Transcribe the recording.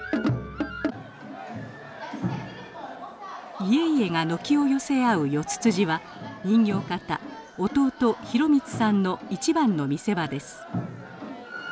家々が軒を寄せ合う四つ辻は人形方弟裕光さんの一番の見せ場です。